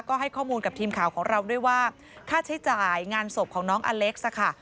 ก็ให้ข้อมูลกับทีมข่าวของเราด้วยว่าค่าใช้จ่ายงานศพของน้องอเล็กซ์ค่ะ